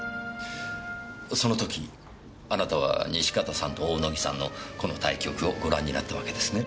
その時あなたは西片さんと大野木さんのこの対局をご覧になったわけですね。